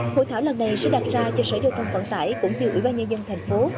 hội thảo lần này sẽ đặt ra cho sở giao thông vận tải cũng như ủy ban nhân dân thành phố